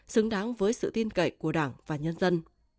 xứng đáng với sự tin cậy của đảng và nhân dân